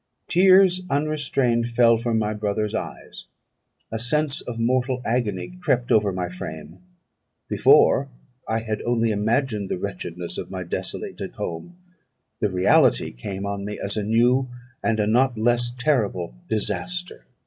Tears, unrestrained, fell from my brother's eyes; a sense of mortal agony crept over my frame. Before, I had only imagined the wretchedness of my desolated home; the reality came on me as a new, and a not less terrible, disaster.